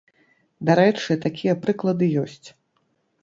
Дарэчы, такія прыклады ёсць.